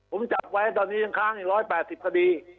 ผมจับไว้ตอนนี้ยังค้างอีก๑๘๐คดี